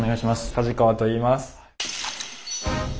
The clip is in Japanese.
梶川といいます。